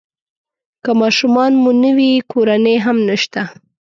که ماشومان مو نه وي کورنۍ هم نشته.